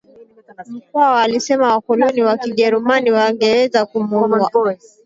Mkwawa alisema wakoloni wa kijerumani wangeweza kumuua